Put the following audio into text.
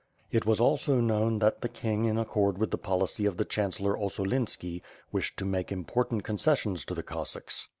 It was also known that the King in accord with the policy of the chancellor Ossolinski wished to make important concessions to the Cossacks.